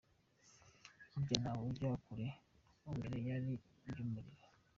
Burya ntawe ujya akura imbere y’irari ry’umubiri.